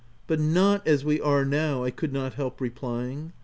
rt But not as we are now," 1 could not help replying.